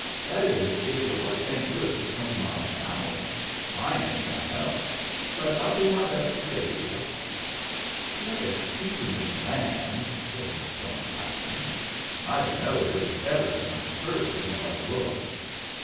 "That is, if your horse ain't good for twenty miles an hour. Mine ain't, I know. But I'll do my best to stay with yu'." "You're the teasingest man " said Miss Stone, pouting. "I might have knowed it was ever so much further nor it looked."